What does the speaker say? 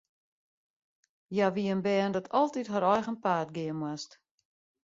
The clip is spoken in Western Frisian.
Hja wie in bern dat altyd har eigen paad gean moast.